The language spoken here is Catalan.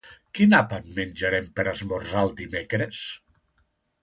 Quin àpat menjarem per esmorzar el dimecres?